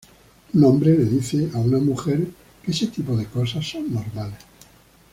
Un hombre le dice a una mujer que ese tipo de cosas son normales.